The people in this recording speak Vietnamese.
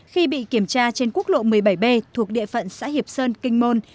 khi bị kiểm tra trên quốc lộ một mươi bảy b thuộc địa phận xã hiệp sơn kinh môn